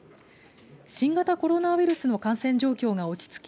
新型コロナウイルスの感染状況が落ち着き